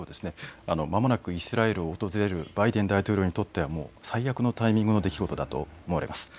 まもなくイスラエルを訪れるバイデン大統領にとっては最悪の出来事だと思います。